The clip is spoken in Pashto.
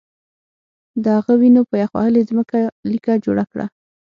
د هغه وینو په یخ وهلې ځمکه لیکه جوړه کړه